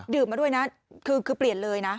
มาด้วยนะคือเปลี่ยนเลยนะ